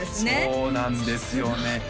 そうなんですよね